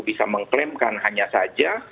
bisa mengklaimkan hanya saja